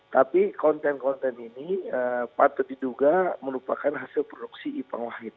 tapi konten konten ini patut diduga merupakan hasil produksi ipang wahid